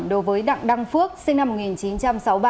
đối với đặng đăng phước sinh năm một nghìn chín trăm sáu mươi ba